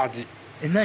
えっ何？